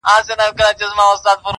له پاڼو تشه ونه٫